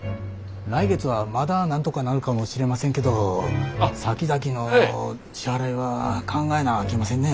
来月はまだなんとかなるかもしれませんけどさきざきの支払いは考えなあきませんね。